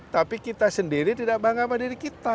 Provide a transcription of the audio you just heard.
tapi kita sendiri tidak bangga sama diri kita